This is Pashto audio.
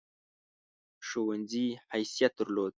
ښوونځي حیثیت درلود.